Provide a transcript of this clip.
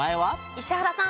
石原さん。